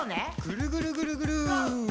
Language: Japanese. ぐるぐるぐるぐる。